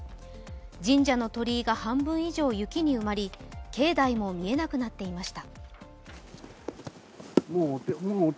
神社の鳥居が半分以上雪に埋まり、境内も見えなくなっていました。